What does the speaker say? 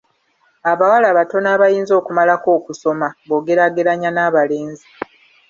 Abawala batono abayinza okumalako okusoma bwogeraageranya n'abalenzi.